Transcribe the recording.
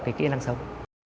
cái kỹ năng sống